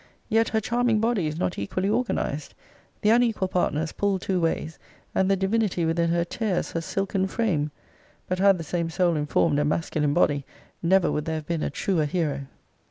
Yet her charming body is not equally organized. The unequal partners pull two ways; and the divinity within her tears her silken frame. But had the same soul informed a masculine body, never would there have been a truer hero.